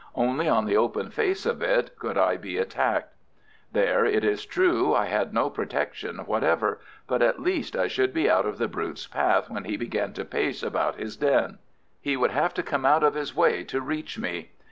Only on the open face of it could I be attacked. There, it is true, I had no protection whatever; but, at least, I should be out of the brute's path when he began to pace about his den. He would have to come out of his way to reach me.